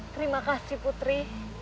terima kasih putri